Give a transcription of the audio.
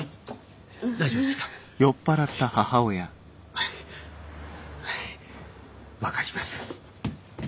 はいはい分かります。